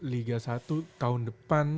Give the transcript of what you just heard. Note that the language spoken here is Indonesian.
liga satu tahun depan